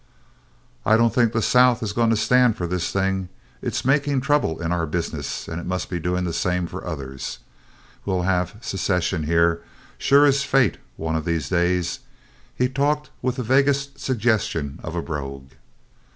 "I don't think the South is going to stand for this thing. It's making trouble in our business, and it must be doing the same thing for others. We'll have secession here, sure as fate, one of these days." He talked with the vaguest suggestion of a brogue.